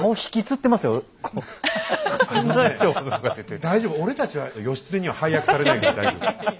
あのね大丈夫俺たちは義経には配役されないから大丈夫。